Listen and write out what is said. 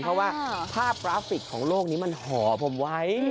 เพราะว่าภาพกราฟิกของโลกนี้มันห่อผมไว้